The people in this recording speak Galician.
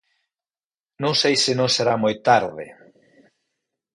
Non sei se non será moi tarde.